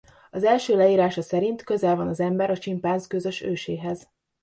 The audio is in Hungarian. Az első leírása szerint közel van az ember a csimpánz közös őséhez.